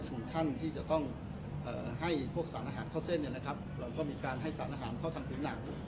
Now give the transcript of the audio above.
ก็มีการให้สารอาหารเข้าเส้นให้สารอาหารเข้าทางฟิ้นหนัง